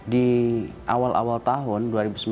di awal awal tahun dua ribu sembilan belas